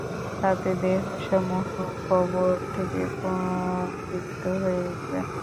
তাতে দেহসমূহ কবর থেকে পুনর্জীবিত হয়ে উঠবে।